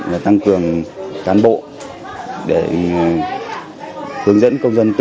và tăng cường cán bộ để hướng dẫn công dân